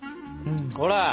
ほら！